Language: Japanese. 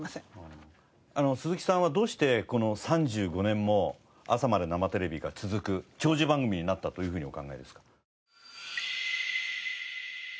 鈴木さんはどうして３５年も『朝まで生テレビ！』が続く長寿番組になったというふうにお考えですか？